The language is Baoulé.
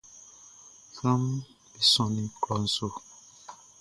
Sranʼm be sɔnnin klɔʼn su.